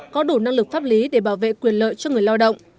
có đủ năng lực pháp lý để bảo vệ quyền lợi cho người lao động